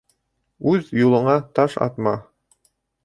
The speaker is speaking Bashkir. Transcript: Үҙ юлыңа таш атма.